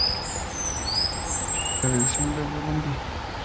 Juega en la Primera División de Burundi.